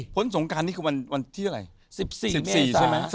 พ้นสงกรานนี้คือวันที่อะไร